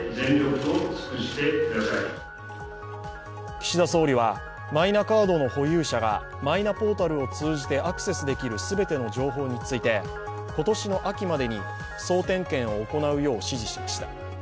岸田総理はマイナカードの保有者がマイナポータルを通じてアクセスできる全ての情報について、今年の秋までに総点検を行うよう指示しました。